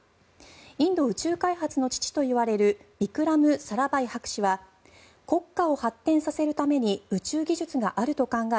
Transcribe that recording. インド宇宙開発の父といわれるビクラム・サラバイ博士は国家を発展させるために宇宙技術があると考え